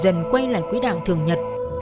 dần quay lại quý đạo thường nhật